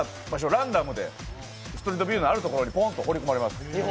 ランダムで、ストリートビューのあるところにポンと放り込まれます。